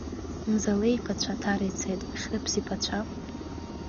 Мзалеи иԥацәа Аҭара ицеит, Хьрыԥс иԥацәа…